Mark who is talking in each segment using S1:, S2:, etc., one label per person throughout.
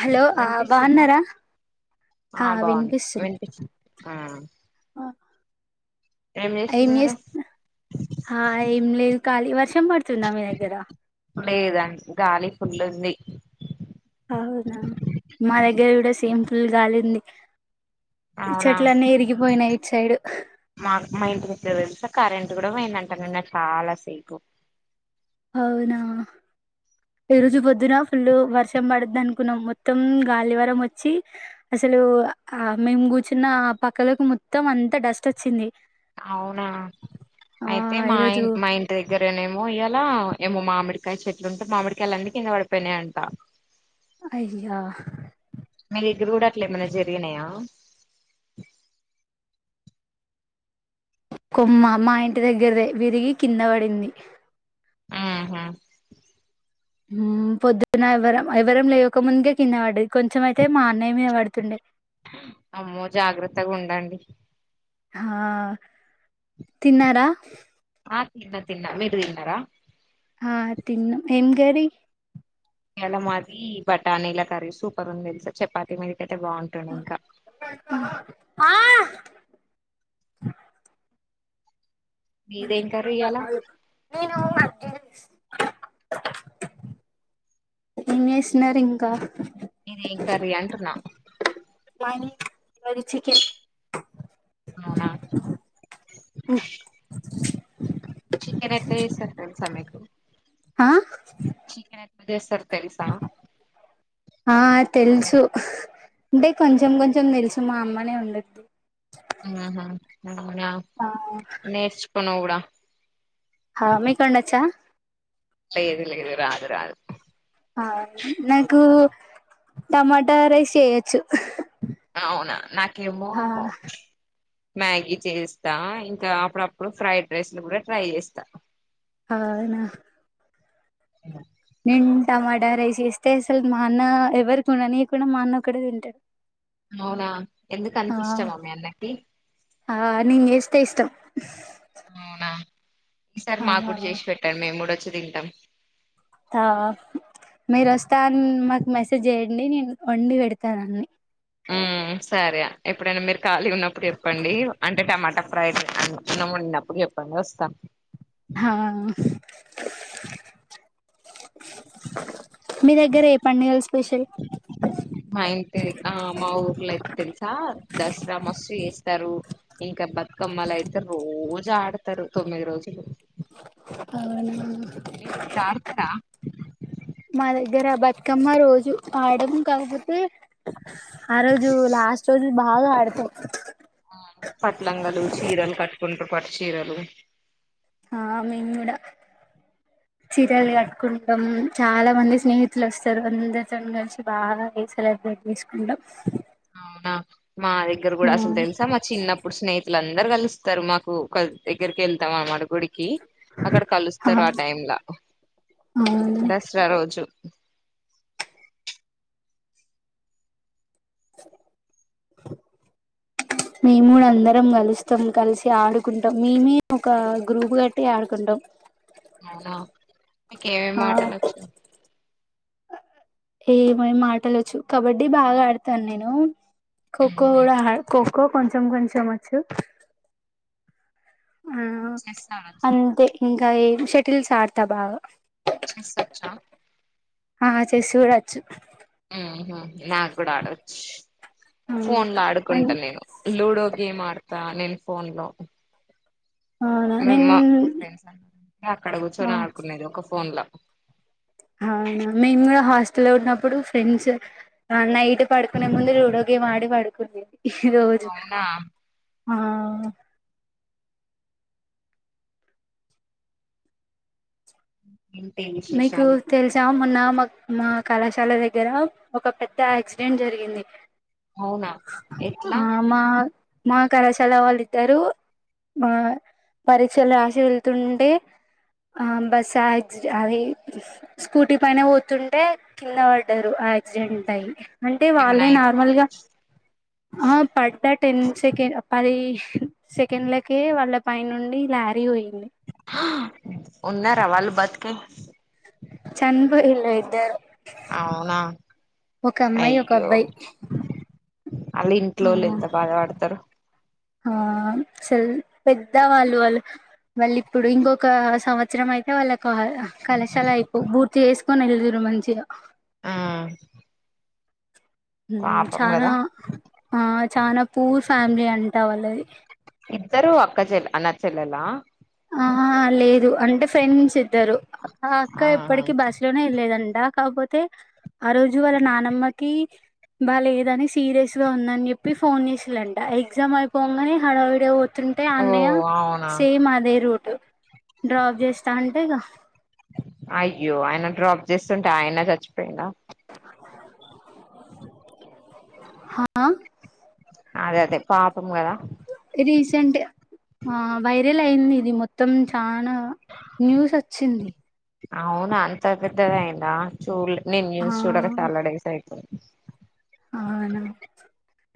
S1: Hello ఆ
S2: వినిపిస్తుందా
S1: బాన్నరా
S2: ఆ బాన్నాం వినిపిచ్ ఆ
S1: ఏం చేస్తున్న హా ఏం లేదు ఖాళీ వర్షం పడుతుందా మీ దగ్గర?
S2: లేదండి గాలి ఫుల్ ఉంది.
S1: అవునా మా దగ్గర కూడ సేమ్ ఫుల్ గాలి ఉంది
S2: అవునా
S1: చెట్లన్నీ ఇరిగిపోయినాయి ఇటు సైడ్
S2: మాకు మా ఇంటి దగ్గర తెలుసా కరెన్ ట్ కూడ పోయిందంట నిన్న చాలా సేపు
S1: అవునా ఈ రోజు పొద్దున ఫుల్ వర్షం పడద్ది అనుకున్నాం మొత్తం గాలివరం వచ్చి అస అసలు ఆ మేము కూర్చున్న ఆ పక్కలకు మొత్తం అంత డస్ట్ వచ్చింది.
S2: అవునా
S1: ఆ
S2: అయితే మా ఇ
S1: ఈరోజు
S2: మా ఇంటి దగ్గరనేమో ఇయ్యాల ఏమో మామిడికాయ చెట్టుంటే, మామిడికాయలన్నీ కింద పడిపోయినాయంట.
S1: అయ్యా
S2: మీ దెగ్గర కూడ అట్ల ఏమైన జరిగినాయా?
S1: కొమ్మ మా ఇంటి దగ్గరదే విరిగి కింద పడింది.
S2: మ్ హ
S1: హ్మ్మ్ పొద్దున ఎవరం ఎవ్వరం లేవకముందుకే కింద పడ్డది. కొంచెం అయితే, మా అన్నయ్య మీద పడుతుండె.
S2: అమ్మో జాగ్రత్తగుండండి.
S1: హా తిన్నార?
S2: ఆ తిన్న తిన్న మీరు తిన్నార?
S1: ఆ తిన్నాం ఏం గర్రి
S2: ఇయాల మాది బటానీల కర్రీ సూపర్ ఉంది తెలుసా చపాతి మీదిక్ కయితే బాగుంటుండె ఇంకా
S1: ఆ
S2: మీదేం కర్రీ ఇయ్యాల
S1: నేనూ అర్జెంట్ ఏంజేస్తున్నారింక
S2: ఏంకర్రీ అంటన్నా
S1: మాది చికెన్
S2: అవునా చికెనెట్ల జేస్తరు తెల్సా మీకు
S1: ఆహ్
S2: చికెనెట్ల చేస్తరు తెల్సా
S1: ఆ తెలుసు అంటే కొంచెం కొంచం దెలుసు మా అమ్మనే వండుద్ది
S2: ఆహా అవునా
S1: ఆ
S2: నేర్చకో నువ్ గుడా
S1: హా మీకొన్డచ్చా
S2: ఎది లేదు రాదు రాదు
S1: ఆ నాకూ టమాటా రైస్ చేయొచ్చు
S2: అవునా నాకేమో
S1: ఆ
S2: మ్యాగీ చేస్తా ఇంకా అప్పుడప్పుడు ఫ్రైడ్ రైస్లు గుడా ట్రై జేస్తా
S1: అవునా
S2: అ
S1: నేన్ టమాటా రైస్ చేస్తేసల్ మా అన్నా ఎవకుండనీయకుండ మా అన్న ఒక్కడే తింటడు
S2: అవునా ఎందుకంతిష్టమా మీ అన్నకి
S1: ఆ నీన్ జేస్తె ఇష్టం
S2: అవునా ఈసారి
S1: ఆ
S2: మాగ్గుడ జేసి పెట్టండి మేంగూడొచ్చి తింటం
S1: ఆ మీరొస్తాన్ మాక్ మెసేజ్ జేయండి నేను వండి వెడతానన్ని
S2: ఉమ్ సరే ఎప్పుడైనా మీరు ఖాళీగున్నప్పుడు చెప్పండి అంటే టమా ఫ్రై అన్నం ఒన్డినప్పుడు చెప్పండి వొస్త
S1: హా మీ దగ్గర ఏ పండుగలు స్పెషల్
S2: మా ఇంటి ఆ మా ఊర్లయిత్తెల్సా దసరా మస్త్ చేస్ తరూ ఇంక బతుకమ్మలయితె రోజాడతరు తొమ్మిది రోజులు
S1: అవున
S2: ఇది తాగుతరా
S1: గ్గర బతుకమ్మ రోజు ఆడం కాకపోతే ఆ రోజు లాస్ట్ రోజు బాగ ఆడతం
S2: పట్లంగలు చీరలు కట్టుకుంట్రు పట్టు చీరలు
S1: ఆ మేము గూడ చీరల్ గట్కుంటం చాలా మంది స్నేహితులొస్తరు అందరితోని గలిసి బాగ సెలబ్రేట్ చేసుకుంటం
S2: అవునా మా దగ్గర గూడా అసలు దెల్సా మా చిన్నప్పుడు స్నే లందరు గలుస్తరు మాకు ఒక దగ్గరికెళ్తాం అన్నమాట గుడికీ అక్కడ కలుస్తరు ఆ టైమ్లా
S1: అవును
S2: దసరా రోజు
S1: మేముగుడ అందరం గలుస్తం కలిసి ఆడుకుంటం మేమే ఒకా గ్రూపు గట్టి ఆడుకుంటం ము
S2: అవునా మీకు ఏమేం ఆటలు వచ్చు
S1: ఏమేమి ఆటలు వచ్చు కబడ్డీ బాగా ఆడతాను నేను ఖోఖో కూడా ఖో కో కొంచెం కొంచం వచ్చు ఆ
S2: చెస్ ఆడొచ్చా
S1: అంతే ఇంకా ఏం షటిల్స్ ఆడతా బాగా
S2: చెస్ వచ్చ
S1: ఆ చెస్ కూడా వచ్చు
S2: నాకు కూడా ఆడవచ్చు ఫోన్ లో ఆడుకుంటా నేను లూడో గేమ్ ఆడతా నేను ఫోన్లు
S1: అవునా
S2: మే
S1: నేను
S2: మా మా ఫ్రెండ్స్ అండి అక్కడ కూర్చొని ఆడుకునేది ఒక ఫోన్ లో
S1: అవునా మేము కూడా హాస్టల్లో లో ఉన్నప్పుడు ఫ్రెండ్స్ నైట్ పడుకునే ముందు లూడో గేమ్ ఆడి పడుకునేది రోజు
S2: అవునా
S1: ఆ
S2: ఏంటి
S1: నీకు
S2: విశేషాలు
S1: తెలుసా మొన్న మా మా కళాశాల దగ్గర ఒక పెద్ద యాక్సిడెంట్ జరిగింది
S2: అవునా ఎట్లా
S1: ఆ మా మా కళాశాల వాళ్ళు ఇద్దారు ఆ పరీక్షలు రాసి వెళ్తుంటే ఆ బస్ ఆక్సి అది స్కూటీ పైన పోతుంటే కింద పడ్డారు యాక్సిడెంట్ అయి అంటే
S2: ఏమన్నా
S1: వాళ్ళే
S2: అయిందా
S1: నార్మల్గా ఆ పడ్డ టెన్ సెకండ్ పది సెకండ్లకే వాళ్ళ పై నుండి లారీ పోయి
S2: హా ఉన్నారా వాళ్ళు బతికే
S1: చనిపోయిలు ఇద్దరు
S2: అవునా
S1: ఒక అమ్మాయి ఒక అబ్బాయి
S2: అలా ఇంట్లో వాళ్ళు ఎంత బాధ పడతారు
S1: ఆ ఆ అసలు పెద్ద వాళ్ళు వాళ్ళు వాళ్ళు ఇప్పుడు ఇంకొక సంవత్సరం అయితే వాళ్ళ కళశాల అయిపో పూర్తి చేసుకొని వెల్దురు మంచిగా
S2: ఆ
S1: ఉమ్మ్ చానా ఆ చనా పూర్ ఫ్యామిలీ అంటా వాళ్ళది
S2: ఇద్దరు అక్క చెెల్ అన్న చెల్లెల
S1: ఆ లేదు అంటే ఫ్రెండ్స్ ఇద్దరు ఆ అక్క
S2: ఆహా
S1: ఎప్పటికీ బాస్లోనే వెళ్లేదండి అ కాపోతే ఆ రోజు వాళ్ళ నానమ్మకి బా లేదని సీరియస్ గా ఉందని చెప్పి ఫోన్ చేసిలాంట ఎగ్జామ్ అయిపోగానే హడావిడిగా తుంటే ఆ
S2: ఓ
S1: అన్నయ
S2: అవునా
S1: సేమ్ అదే రూట్ డ్రాప్ చేస్తా అంటే ఇగ
S2: అయ్యో ఆయన డ్రాప్ చేస్తుంటే ఆయనే చచ్చిపోయిండ
S1: హా
S2: అదే అదే పాపం కదా
S1: రీసెంట్ ఆ వైరల్ అయింది ఇది మొత్తం చనా న్యూస్ వచ్చింది
S2: అవును అంత పెద్దగయింద చూ నేను
S1: ఆ
S2: న్యూస్ చూడక చాలాడేస్ అయితుంది
S1: అవునా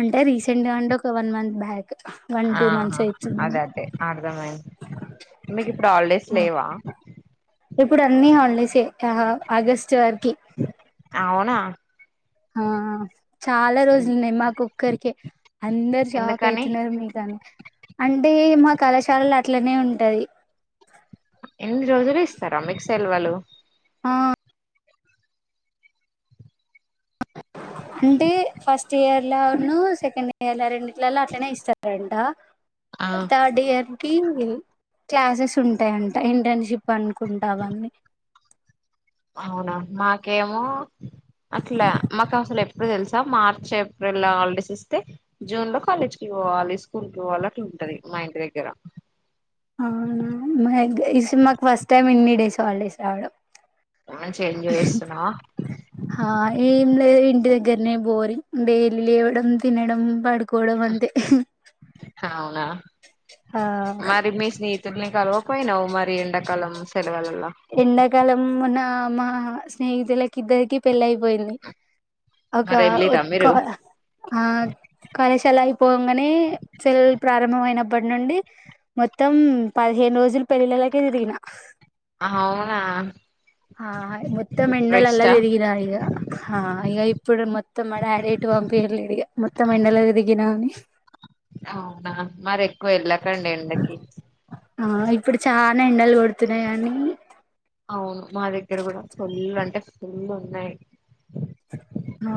S1: అంటే రీసెంట్ గా అంటే ఒక one month back one two
S2: ఆహా
S1: మంత్స్
S2: అద
S1: అయితుంది
S2: అదే అర్థం అయింది మీకు ఇప్పుడు హాలిడేస్ లేవా
S1: ఇప్పుడు అన్ని హాలిడేస్ ఏ ఆ ఆగస్టు వరకి
S2: అవునా
S1: ఆ చాలా రోజులున్నాయి మాకోక్కరికే అందరు షాక్
S2: ఎందుకని
S1: అయితున్నారు మీకు అని అంటే మా కళాశాలలు అట్లనే ఉంటయ్
S2: ఎన్ని రోజులు ఇస్తార మీకు సెల్వులు
S1: ఆ అంటే ఫస్ట్ ఇయర్ లోనూ ఉన్న సెకండ్ ఇయర్ [unintelligible] రెండి లలో అట్లనే ఇస్తారట
S2: ఆ
S1: థర్డ్ ఇయర్ కి క్లాసెస్ ఉంటాయంట ఇంటర్న్షిప్ అనుకుంటావన్నీ
S2: అవునా మాకేమో అట్ల మాకు అసల ఇప్పుడు తెలుసా మార్చ్ ఏప్రిల్ హాలిడేస్ ఇస్తే జూన్ లో కాలేజ్కిివ్వాలి స్కూల్ కి పోవాల అలాంటుంది ఉంటది మా ఇంటి దెగ్గిర
S1: అవునా మాకు ఫస్ట్ టైమ్ ఎన్ని డేస్ హాలిడేస్ రావడం
S2: మంచిగ ఎంజాయ్ చేస్తున్నావ
S1: ఏం లేదు ఇంటి దగ్గరనే బోరింగ్ డైలి లేవడం తినడం పడుకోవడం అంతే
S2: అవునా
S1: ఆ
S2: మరి మీ స్నేహితుల్ని పోయినవు మరి ఎండకాలం
S1: ఎండకాలం నామ్ మా స్నేహితులకి ఇద్దరికి పెళ్ళ అయిపోయింది ఒక
S2: మరి వెళ్ళిరా మీరు
S1: ఆ కళాశాల అయిపోగానే సెలవలు ప్రారంభంమయిన ఇప్పటి నుండి మొత్తం పదిహేను రోజులు పెళ్ళిళ్లకే తిరిగిన
S2: అవునా
S1: ఆ మొత్తం
S2: ఇప్పుడు
S1: ఎండలల [unintelligible]
S2: రెస్టా
S1: దిరిగిన ఈగ ఇ ఇప్పుడు మొత్తం పంపి [unintelligible] మొత్తం ఎండలో తిరిగినా అని
S2: అవునా మరి ఎక్కువ వెళ్ళకండి ఎండకి
S1: అ ఎండలు పడుతున్నాయి గాని
S2: అవును మా దగ్గర కూడ ఫుల్ అంటే ఫుల్ ఉన్నాయి
S1: ఆ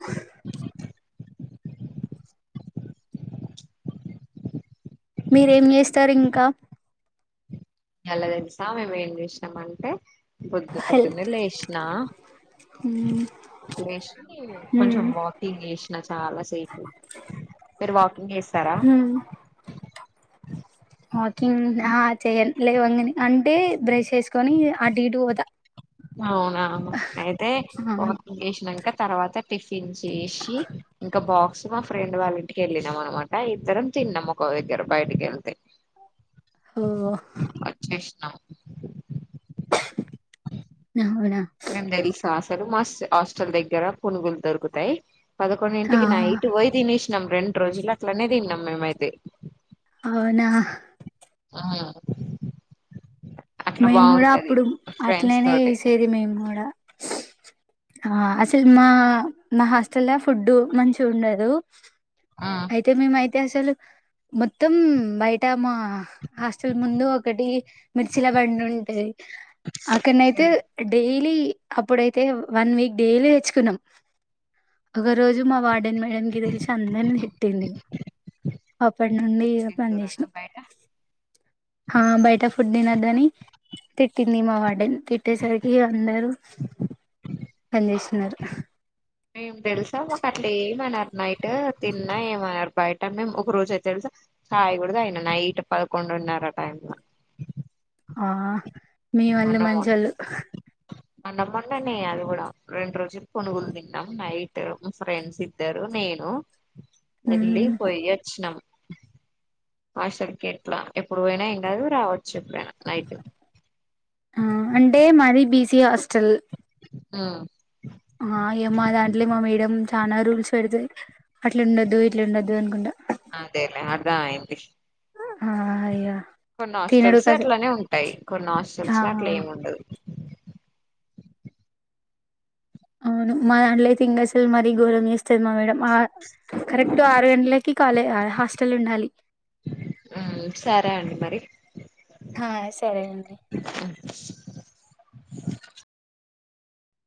S1: అ మీరేం చేస్తారు ఇంక
S2: మళ్ళా తెలుసా మేము ఏం చేసాం అంటే పొద్దు
S1: హెల్
S2: పొద్దున్న లేసినా
S1: మ్మ్
S2: లేషి కొంచెం
S1: మ్మ్
S2: వాకింగ్ చేసినా చాలా సేపు మీరు వాకింగ్ చేస్తార
S1: మ్మ్ వాకింగ్ చెయ లేవంగని అంటే బ్రష్ చేసుకొని అటు ఇటు పోత
S2: అవునా అయితే
S1: ఆ
S2: వాకింగ్ చేసినాక తర్వాత టి టిఫిన్ చేసి ఇంకా బా మా ఫ్రెండ్ వాళ్ళ ఇంటికి వెళ్ళినాం అనమాట ఇద్దరం తిన్నాము ఒక దగ్గర బయటికి వెళ్తే
S1: హు
S2: క
S1: [unintelligible]
S2: మస్త్ హాస్టల్ దగ్గర పునుగులు దొరుకుతాయ్
S1: ఆ
S2: పదకొండింటికి నైటు బొయ్ తినేషినం రెండు రోజులు అట్లనే తిన్నం మేమైతే
S1: అవునా
S2: ఆ
S1: మేం గూడా అప్పుడు అట్లనే
S2: తోటి
S1: ఏసేది మేం గూడా ఆ అసలు మా మా హాస్టల్లో ఫుడ్డు మంచి గుండదు
S2: ఆ
S1: అయితే మేమైతే అసలు మొత్తం బయట మా హాస్టెల్ ముందు ఒకటి చిలబండుంటది అక్కనైతే డే డైలీ అప్పుడైతే వన్ వీక్ డైలీ తెచ్చుకున్నం ఒక రోజు మా మేడం కి తెల్సి అందన్ తిట్టింది అప్పడ్ నుండి
S2: ఎందుకు
S1: బన్
S2: తింటురనా
S1: చేసినం
S2: బయట
S1: ఆ బయట న్నదిని తిట్టింది మా వాడెన్ తిట్టేసరికి అందరూ పని చేస్తున్నారు
S2: మేము తెలుసా మాకట్లా ఏమనరు నైట్ తిన్నా ఏమనర్ బయట మేం ఒక రోజై తెలుసా కాయి కుడ దానా నైట్ పదకొండున్నర టైమ్ ల
S1: ఆ మీ వల్లు మంచోళ్ళు
S2: అన్నమ్మండనే అది గుడా రెండు రోజులు పునుగులు తిన్నాం నైట్ ఫ్రెండ్స్ ఇద్దరు నేను వెళ్ళి
S1: ఉమ్
S2: పొయ్యచ్చినం ఆషర్కి ఎట్లా ఎప్పుడు బొయినా ఏం గాదు రావ చెప్పా నైట్
S1: సి ఆస్టల్
S2: ఆ
S1: ఆ ఏమా దాంట్లో మా మేడం చాలా రూల్స్ పెడతది అట్లుండద్దు ఇట్లండొదు అనుకుంటా
S2: అదేలే ఆద్రా ఐన్టిష్
S1: ఆహా
S2: కొన్నాస్టల్స్ అట్లనే ఉంటాయి
S1: ఆ
S2: కొన్నాస్టల్స్ లో అట్లేముండదు
S1: అవును మా దాన్లో అయితే ఇంగసలు మరీ ఘోరం చేస్తది మా మేడం కరెక్ట్ ఆరు గంటలకి కాలే హాస్టల్ ఉండాలి
S2: మ్మ్ సరే అండి మ
S1: హా సరే అండి